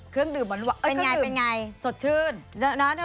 เครื่องดื่มเหมือนว่าเอ้ยเครื่องดื่มสดชื่นเป็นไงเป็นไง